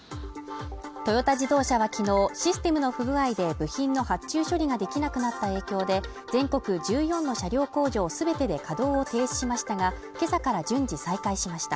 トヨタ自動車はきのうシステムの不具合で部品の発注処理ができなくなった影響で全国１４の車両工場すべてで稼働を停止しましたがけさから順次再開しました